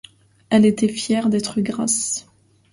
Elle était fière d’être grasse.